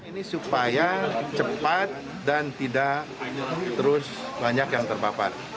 ini supaya cepat dan tidak terus banyak yang terpapar